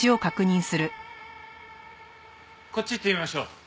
こっち行ってみましょう。